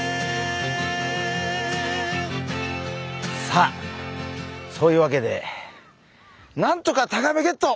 さあそういうわけでなんとかタガメゲット！